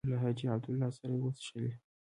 له حاجي عبدالله سره یې وڅښلې.